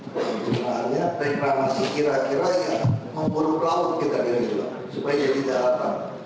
sebenarnya reklamasi kira kira yang mengurut laut kita di agung supaya jadi jarak